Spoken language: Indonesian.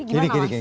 jadi gimana mas